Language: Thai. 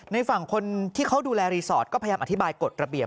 ในฝั่งคนที่เขาดูแลรีสอร์ทก็พยายามอธิบายกฎระเบียบ